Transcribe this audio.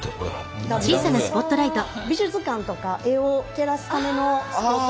美術館とか絵を照らすためのスポットライトとかですね。